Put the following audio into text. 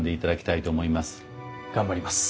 頑張ります。